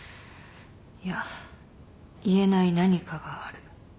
いや言えない何かがある。